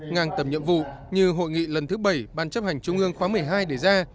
ngang tầm nhiệm vụ như hội nghị lần thứ bảy ban chấp hành trung ương khóa một mươi hai đề ra